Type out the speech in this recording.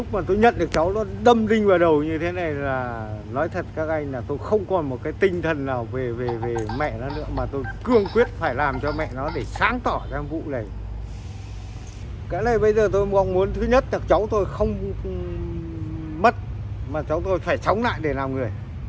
cái này bây giờ tôi mong muốn thứ nhất là cháu tôi không mất mà cháu tôi phải sống lại để làm người